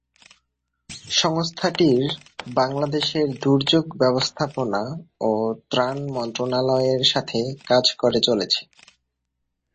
সংস্থাটির বাংলাদেশের দুর্যোগ ব্যবস্থাপনা ও ত্রাণ মন্ত্রণালয়ের সাথে কাজ করে চলেছে।